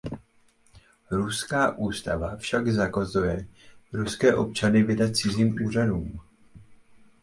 Ruská ústava však zakazuje ruské občany vydat cizím úřadům.